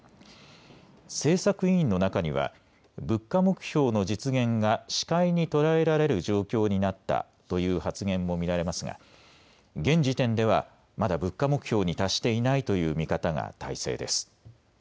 政策委員の中には物価目標の実現が視界に捉えられる状況になったという発言も見られますが現時点ではまだ物価目標に達していないという見方が大勢です。